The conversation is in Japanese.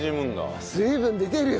水分出てるよ。